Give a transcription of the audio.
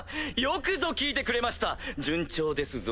よくぞ聞いてくれました順調ですぞ。